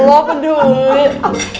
udah ke duit